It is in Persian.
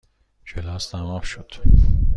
کلاس تمام شد.